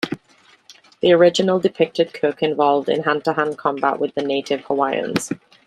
The original depicted Cook involved in hand-to-hand combat with the native Hawaiians.